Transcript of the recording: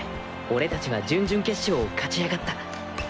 俺達は準々決勝を勝ち上がった。